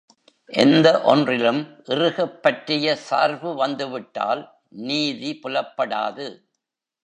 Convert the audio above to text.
எந்த ஒன்றிலும் இறுகப் பற்றிய சார்பு வந்துவிட்டால் நீதி புலப்படாது.